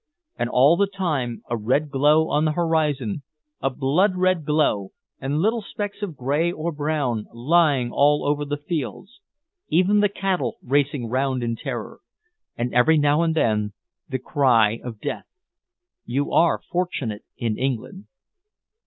And all the time a red glow on the horizon, a blood red glow, and little specks of grey or brown lying all over the fields; even the cattle racing round in terror. And every now and then the cry of Death! You are fortunate in England."